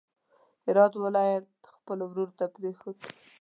هرات ولایت خپل ورور ته پرېښود.